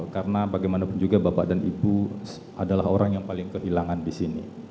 karena bagaimanapun juga bapak dan ibu adalah orang yang paling kehilangan di sini